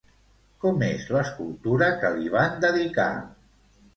Com és l'escultura que li van dedicar?